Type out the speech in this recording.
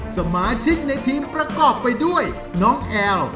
สมาชิกในทีมประกอบไปด้วยน้องแอล